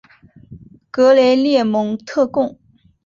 格雷涅蒙特贡。